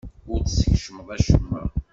Ur d-teskecmem acemma.